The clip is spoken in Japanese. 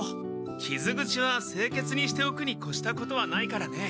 きず口はせいけつにしておくにこしたことはないからね。